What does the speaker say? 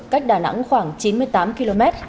cách đà nẵng khoảng chín mươi tám km